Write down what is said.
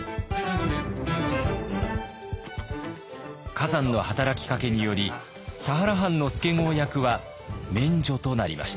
崋山の働きかけにより田原藩の助郷役は免除となりました。